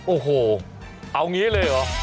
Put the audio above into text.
โอ้โหเอางี้เลยเหรอ